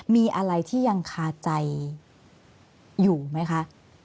มีอะไรที่ยังคาใจอยู่ไหมคะ